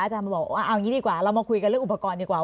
บอกว่าเอางี้ดีกว่าเรามาคุยกันเรื่องอุปกรณ์ดีกว่า